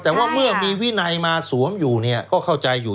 แต่เมื่อมีวินัยมาสวมอยู่ก็เข้าใจอยู่